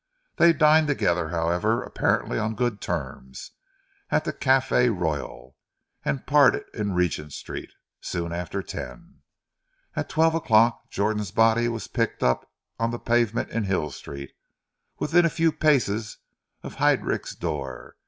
They dined together, however, apparently on good terms, at the Cafe Royal, and parted in Regent Street soon after ten. At twelve o'clock, Jordan's body was picked up on the pavement in Hill Street, within a few paces of Heidrich's door.